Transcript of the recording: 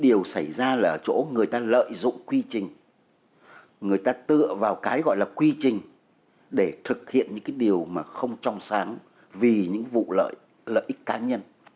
điều này đặt ra là chỗ người ta lợi dụng quy trình người ta tựa vào cái gọi là quy trình để thực hiện những điều không trong sáng vì những vụ lợi ích cá nhân